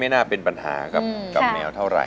ทั้งในเรื่องของการทำงานเคยทำนานแล้วเกิดปัญหาน้อย